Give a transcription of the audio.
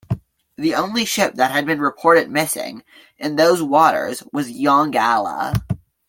The only ship that had been reported missing in those waters was "Yongala".